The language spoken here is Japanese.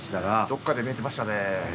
どっかで見えてましたね。